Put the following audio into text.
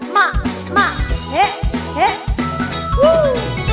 มามาเห็นเห็น